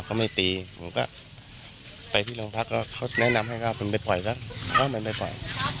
เขาไม่ตีผมก็ไปที่โรงพักแล้วเขาแนะนำให้ก็เอาไปปล่อยแล้วเขามันไปปล่อย